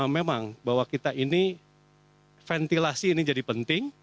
memang bahwa kita ini ventilasi ini jadi penting